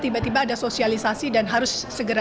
tiba tiba ada sosialisasi dan harus segera